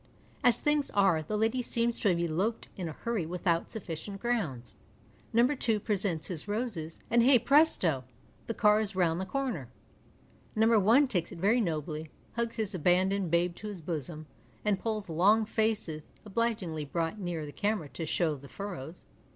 As things are, the lady seems to have eloped in a hurry withovit sufficient grounds. No. 2 presents his roses, and, hey presto ! the car is round the corner. No. 1 takes it very nobly, hugs his aban doned babe to his bosom, and pulls long faces (obligingly brought nearer the camera to show the furrows).